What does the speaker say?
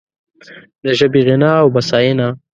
د ژبې غنا او بسیاینه